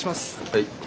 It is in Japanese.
はい。